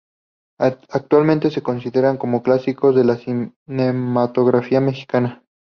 Actualmente se consideran como clásicos de la cinematografía mexicana.